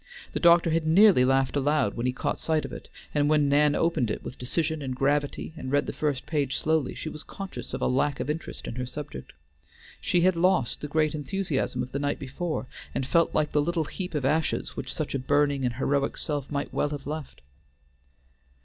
The doctor had nearly laughed aloud when he caught sight of it, and when Nan opened it with decision and gravity and read the first page slowly, she was conscious of a lack of interest in her subject. She had lost the great enthusiasm of the night before, and felt like the little heap of ashes which such a burning and heroic self might well have left.